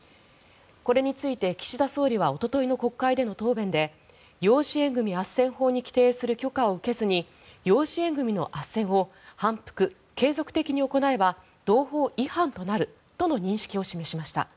これについて岸田総理はおとといの国会での答弁で養子縁組あっせん法に規定する許可を受けずに養子縁組のあっせんを反復・継続的に行えば同法違反となるとの認識を示しました。